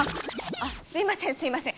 あっすいませんすいません。